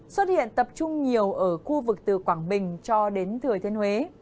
xuất hiện tập trung nhiều ở khu vực từ quảng bình cho đến thừa thiên huế